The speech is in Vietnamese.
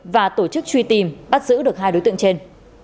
và tổ chức truy tìm bắt giữ được hai đối tượng trên